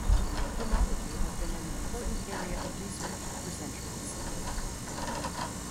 Pomology has been an important area of research for centuries.